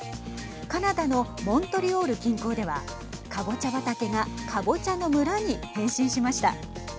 カナダのモントリオール近郊ではかぼちゃ畑がかぼちゃの村に変身しました。